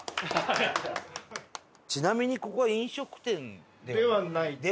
ちなみにここは飲食店では？ではないです。